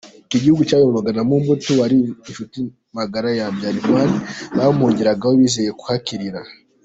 Iki gihugu cyayoborwaga na Mobutu wari inshuti magara ya Habyarimana, bamuhungiraho bizeye kuhakirira.